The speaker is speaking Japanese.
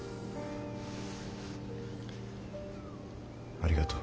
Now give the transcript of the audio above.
ありがとう。